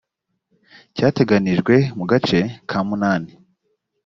cyateganijwe mu gace ka munani